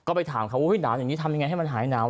ก็ไปถามเขาว่าหนาวอย่างนี้ทำยังไงให้มันหายหนาว